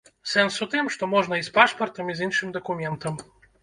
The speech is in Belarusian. Сэнс у тым, што можна і з пашпартам, і з іншым дакументам.